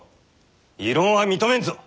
異論は認めんぞ！